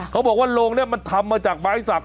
เขาบอกว่าโรงนี้มันทำมาจากไม้สัก